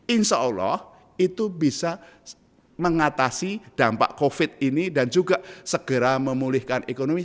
insya allah itu bisa mengatasi dampak covid ini dan juga segera memulihkan ekonomi